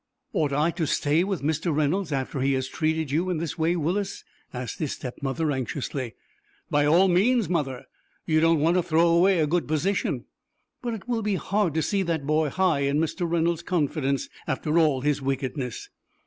"Ought I to stay with Mr. Reynolds after he has treated you in this way, Willis?" asked his step mother, anxiously. "By all means, mother. You don't want to throw away a good position." "But it will be hard to see that boy high in Mr. Reynolds' confidence, after all his wickedness."